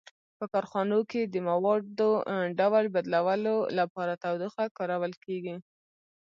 په کارخانو کې د موادو ډول بدلولو لپاره تودوخه کارول کیږي.